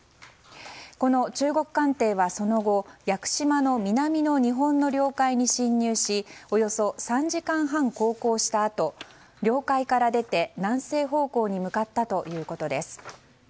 この中国艦艇はその後屋久島の南の日本の領海に侵入しおよそ３時間半、航行したあと領海から出て南西方向に向かったということです。